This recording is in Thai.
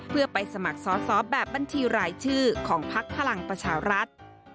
เพื่อไปสมัครสอบแบบบัญชีรายชื่อของพักพลังประชารัฐ